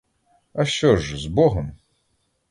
А що ж, з богом!